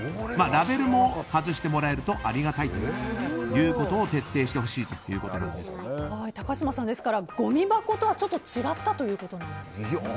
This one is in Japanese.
ラベルも外してもらえるとありがたいということを高嶋さん、ごみ箱とはちょっと違ったということです。